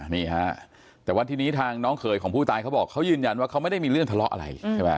นี่ฮะแต่ว่าทีนี้ทางน้องเขยของผู้ตายเขาบอกเขายืนยันว่าเขาไม่ได้มีเรื่องทะเลาะอะไรใช่ไหม